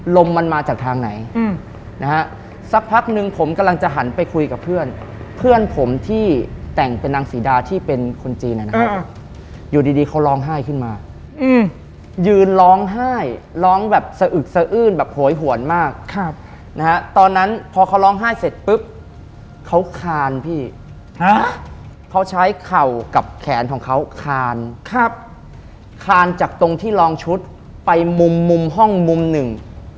ลมมันมาจากทางไหนนะฮะสักพักหนึ่งผมกำลังจะหันไปคุยกับเพื่อนเพื่อนผมที่แต่งเป็นนางศรีดาที่เป็นคนจีนนะครับอยู่ดีเขาร้องไห้ขึ้นมายืนร้องไห้ร้องแบบสะอึกสะอื้นแบบโหยหวนมากครับนะฮะตอนนั้นพอเขาร้องไห้เสร็จปุ๊บเขาคานพี่เขาใช้เข่ากับแขนของเขาคานครับคานจากตรงที่ลองชุดไปมุมมุมห้องมุมหนึ่ง